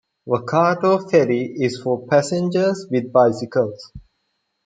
Wakato ferry is for passengers with bicycles.